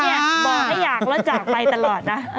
บอกให้อยากแล้วจากไปตลอดนะ